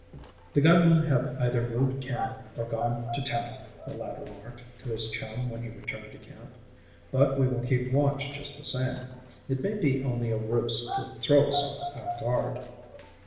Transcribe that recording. "The gunmen have either moved camp or gone to town," the lad remarked to his chum when he returned to camp. "But we will keep watch just the same. It may be only a ruse to throw us off our guard."